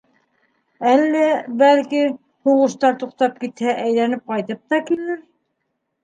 Әллә, балки, һуғыштар туҡтап китһә, әйләнеп ҡайтып та килер.